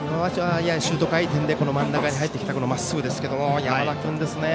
ややシュート回転で真ん中に入ってきたまっすぐ山田君